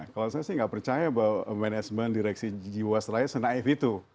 kalau saya sih tidak percaya bahwa manajemen direksi jiwa selain senaif itu